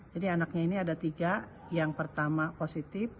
jadi anaknya ini ada tiga yang pertama positif